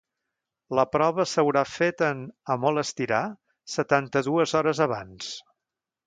La prova s’haurà d’haver fet en, a molt estirar, setanta-dues hores abans.